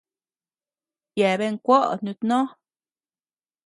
Yeabean kuoʼo nutnó.